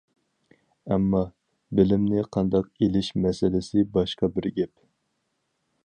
ئەمما بىلىمنى قانداق ئېلىش مەسىلىسى باشقا بىر گەپ.